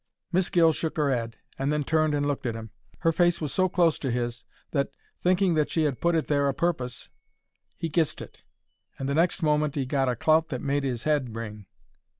Miss Gill shook her 'ead, and then turned and looked at 'im. Her face was so close to his, that, thinking that she 'ad put it there a purpose, he kissed it, and the next moment 'e got a clout that made his 'ead ring.